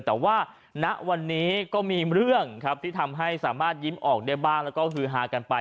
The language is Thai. แต่ว่าณวันนี้ก็มีเรื่องครับที่ทำให้สามารถยิ้มออกได้บ้างแล้วก็ฮือฮากันไป